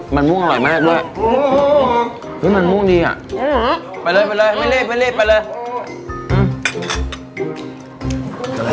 มันมุ่งอร่อยมากด้วยมันมุ่งดีอ่ะไปเลยไปเลยไม่เรียบไม่เรียบ